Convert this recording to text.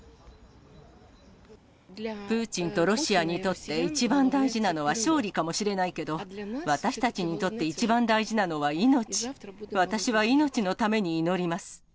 プーチンとロシアにとって、一番大事なのは、勝利かもしれないけど、私たちにとって一番大事なのは命。